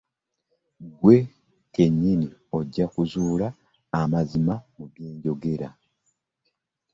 Ggwe kennyini ojja kuzuula amazima mu bge njogera.